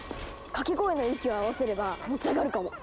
掛け声の息を合わせれば持ち上がるかも！